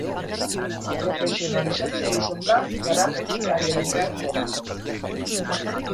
Profesionalizatzea izan da garapenik adierazgarriena.